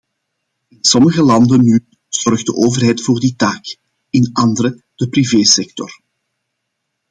In sommige landen nu zorgt de overheid voor die taak, in andere de privé-sector.